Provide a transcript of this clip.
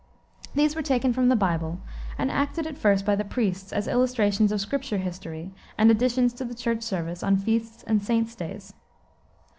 These were taken from the Bible and acted at first by the priests as illustrations of Scripture history and additions to the church service on feasts and saints' days.